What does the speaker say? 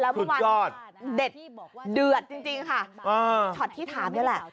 คุณกอดดีจริงค่ะช็อตที่ถามนี่แหละ